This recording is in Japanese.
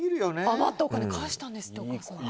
余ったお金返したんですって。